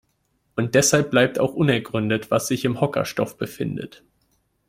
Und deshalb bleibt auch unergründet, was sich im Hockerstoff befindet.